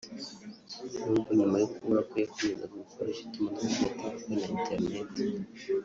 nubwo nyuma y’ukubura kwe yakomezaga gukoresha itumanaho rya telefone na internet